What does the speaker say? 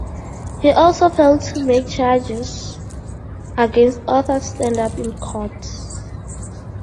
He also failed to make charges against Arthur stand up in court.